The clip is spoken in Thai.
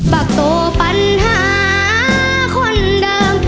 บักตัวปัญหาคนเดิม